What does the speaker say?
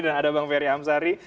dan ada bang ferry amsari